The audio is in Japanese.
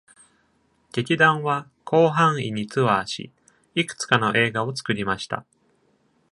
劇団は広範囲にツアーし、いくつかの映画を作りました。